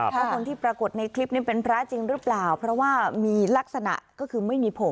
ว่าคนที่ปรากฏในคลิปนี้เป็นพระจริงหรือเปล่าเพราะว่ามีลักษณะก็คือไม่มีผม